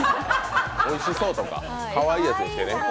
おいしそうとか、かわいいやつにしてね。